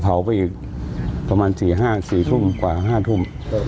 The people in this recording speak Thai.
เผาไปอีกประมาณ๔ทุ่มกว่า๕ทุ่ม